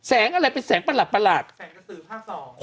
แสงอะไรเป็นแสงประหลาดประหลาดแสงกระสือภาคสอง